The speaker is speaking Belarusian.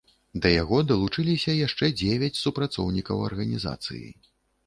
Да яго далучыліся яшчэ дзевяць супрацоўнікаў арганізацыі.